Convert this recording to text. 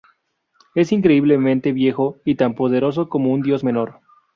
Es increíblemente viejo, y tan poderoso como un dios menor.